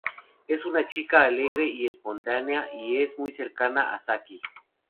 Es una chica alegre y espontánea, y es muy cercana a Saki.